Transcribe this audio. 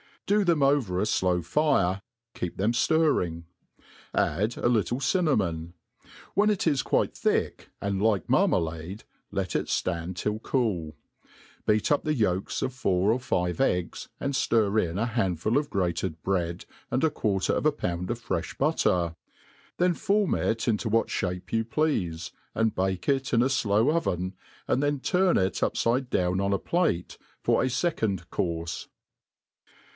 Do them ov^r a flow' fire, keep them ftirring ; add a little cinnatiron. When it is quite thick, and like a marmalade, let it ftand till cool ; beat up the yolks of fouror five eggs; and ftir in a handful of grated bread, and a quarter of a pound of freflli butter ; then form \t into what (h ape you ple^fe, and bake it in a flow oven, an4 then turn it upfide down on a platej for a fecond courfe.